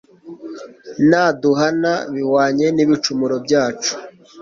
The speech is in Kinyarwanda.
ntaduhana bihwanye n'ibicumuro byacu